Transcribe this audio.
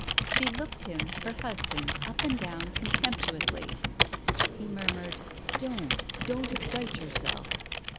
She looked him, her husband, up and down, contemptuously. He murmured: "Don't, don't excite yourself!